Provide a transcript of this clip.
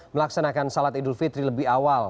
melaksanakan salat idul fitri lebih awal